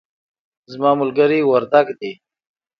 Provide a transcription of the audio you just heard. زما ملګری وردګ دی